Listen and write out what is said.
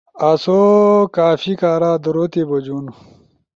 آسو کافی کارا درو تی بجُون